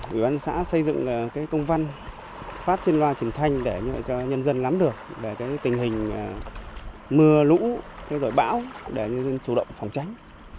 nguyên văn xã xây dựng công văn phát trên loa trình thanh để cho nhân dân lắm được tình hình mưa lũ bão để chủ động phòng tránh